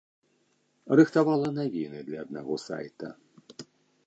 Рыхтавала навіны для аднаго сайта.